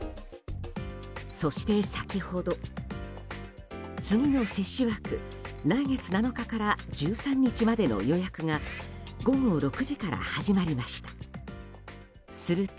そして先ほど、次の接種枠来月７日から１３日までの予約が午後６時から始まりました。